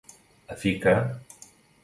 A fi que.